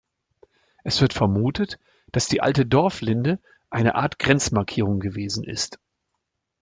Es wird vermutet, dass die alte Dorflinde eine Art Grenzmarkierung gewesen ist.